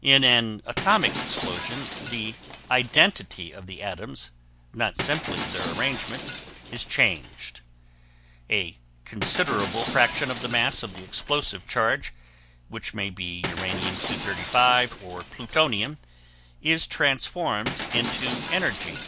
In an atomic explosion the identity of the atoms, not simply their arrangement, is changed. A considerable fraction of the mass of the explosive charge, which may be uranium 235 or plutonium, is transformed into energy.